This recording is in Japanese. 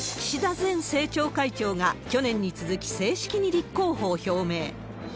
前政調会長が去年に続き、正式に立候補を表明。